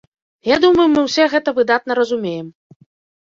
Я думаю, мы ўсе гэта выдатна разумеем.